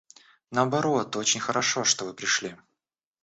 Наоборот, очень хорошо, что вы пришли.